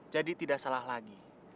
jadi tidak salah lagi